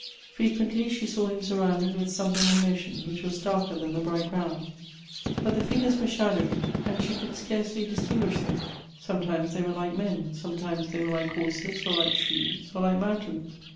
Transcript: Frequently she saw him surrounded with something in motion, which was darker than the bright ground ; but the figures wore shadowy, and she could scarcely distinguish them — sometimes they were like men, sometimes they wore like horses, or like trees, or like mountains.